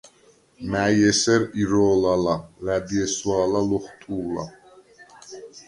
მა̈ჲ ესერ ირო̄ლ ალა̄, ლა̈დი ესვა̄ლა ლოხვტუ̄ლა: